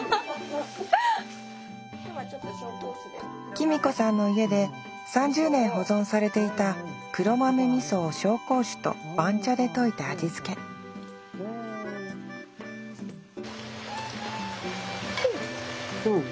キミ子さんの家で３０年保存されていた黒豆味噌を紹興酒と番茶で溶いて味付けうんおいしい。